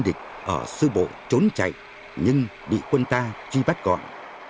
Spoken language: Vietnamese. địch ở sư bộ trốn chạy nhưng bị quân ta truy bắt gọn